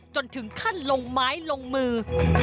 จนถึงขั้นลงไม้ลงมือ